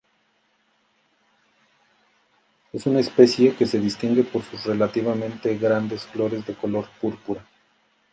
Es una especie que se distingue por sus relativamente grandes flores de color púrpura.